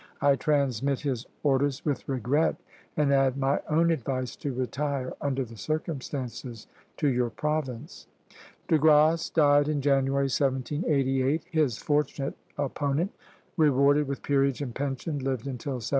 I transmit his orders with regret, and add my own advice to retire, under the circumstances, to your province." De Grasse died in January, 1788. His fortunate opponent, rewarded with peerage and pension, lived until 1792.